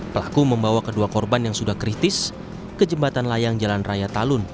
pelaku membawa kedua korban yang sudah kritis ke jembatan layang jalan raya talun